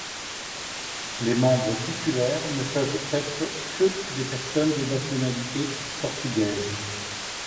Les membres titulaires ne peuvent être que des personnes de nationalité portugaise.